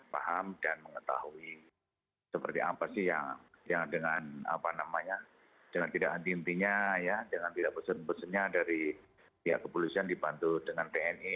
paham dan mengetahui seperti apa sih yang dengan tidak anti intinya ya dengan tidak pesen pesennya dari pihak kepolisian dibantu dengan tni